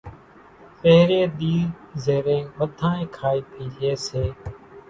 پھرين ۮي زيرين ٻڌانئين کائي پِي لئي سي